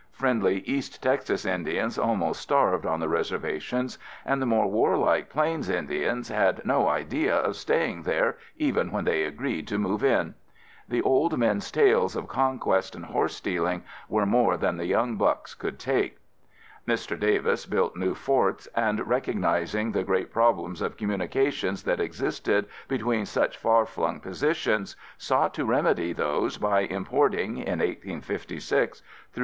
Friendly East Texas Indians almost starved on the reservations, and the more warlike plains tribes had no idea of staying there even when they agreed to move in. The old men's tales of conquest and horse stealing were more than the young bucks could take. Mr. Davis built new forts and, recognizing the great problems of communications that existed between such far flung positions, sought to remedy those by importing in 1856, through the seaport of Indianola, camels and their Arabian drivers. [Illustration: _G.